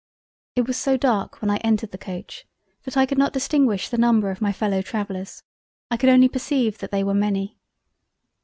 It was so dark when I entered the Coach that I could not distinguish the Number of my Fellow travellers; I could only perceive that they were many.